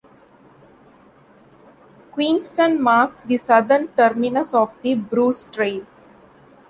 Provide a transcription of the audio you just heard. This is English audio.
Queenston marks the southern terminus of the Bruce Trail.